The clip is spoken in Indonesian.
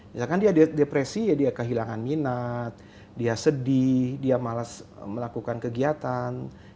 misalkan dia depresi ya dia kehilangan minat dia sedih dia malas melakukan kegiatan